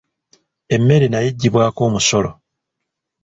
Emmere nayo eggyibwako omusolo.